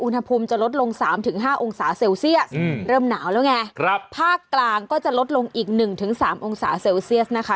อุณหภูมิจะลดลง๓๕องศาเซลเซียสเริ่มหนาวแล้วไงภาคกลางก็จะลดลงอีก๑๓องศาเซลเซียสนะคะ